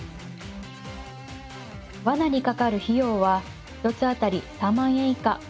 ワナにかかる費用は１つ当たり３万円以下。